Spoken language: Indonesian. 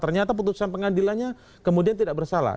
tentu saja pengadilannya kemudian tidak bersalah